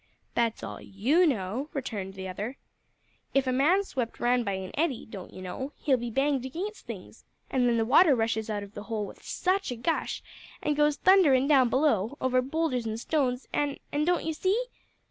"That's all you know," returned the other. "If a man's swept round by an eddy, don't you know, he'll be banged against things, and then the water rushes out of the hole with such a gush, an' goes thunderin' down below, over boulders and stones, and an' don't you see?"